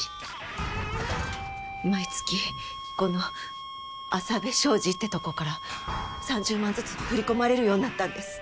毎月このアサベ商事ってとこから３０万ずつ振り込まれるようになったんです。